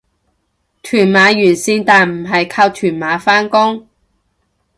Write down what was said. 屯馬沿線但唔係靠屯馬返工